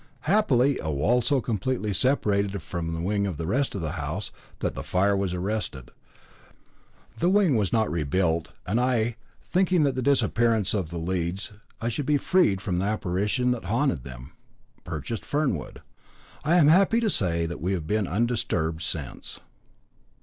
Happily, a wall so completely separated the wing from the rest of the house, that the fire was arrested. The wing was not rebuilt, and I, thinking that with the disappearance of the leads I should be freed from the apparition that haunted them, purchased Fernwood. I am happy to say we have been undisturbed since.